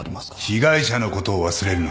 被害者のことを忘れるな。